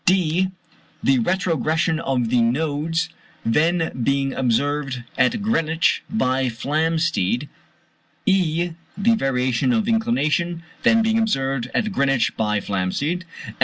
(d) The retrogression of the nodes, then being observed at Greenwich by Flamsteed. (e) The variation of inclination, then being observed at Greenwich by Flamsteed.